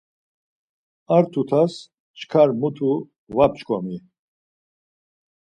Ar tutas çkar mutu var p̌ç̌ǩomi.